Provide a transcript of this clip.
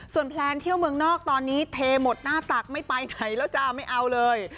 แพลนเที่ยวเมืองนอกตอนนี้เทหมดหน้าตักไม่ไปไหนแล้วจ้าไม่เอาเลย